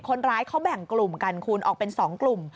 คนร้ายเขาแบ่งกลุ่มกันคุณออกเป็น๒กลุ่ม